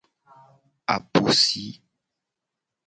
Apusi.